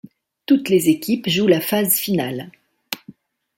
Toutes les équipes jouent la phase finale.